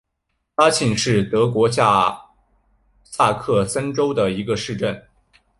拉岑是德国下萨克森州的一个市镇。